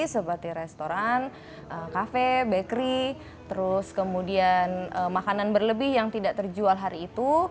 seperti restoran kafe bakery terus kemudian makanan berlebih yang tidak terjual hari itu